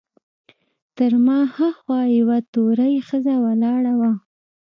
تر ما هاخوا یوه تورۍ ښځه ولاړه وه.